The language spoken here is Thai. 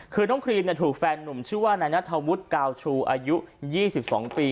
คือน้องครีมถูกแฟนหนุ่มชื่อว่านายนัทธวุฒิกาวชูอายุ๒๒ปี